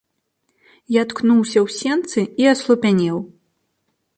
Я ткнуўся ў сенцы і аслупянеў.